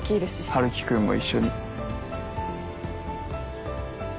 春樹君も一緒に。